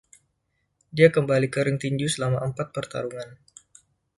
Dia kembali ke ring tinju selama empat pertarungan.